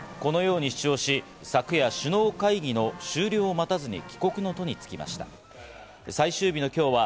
このように主張し、昨夜、首脳会議の終了を待たず、帰国の途につきました。